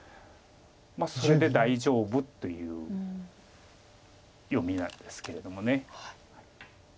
まあそれで大丈夫という読みなんですけれども。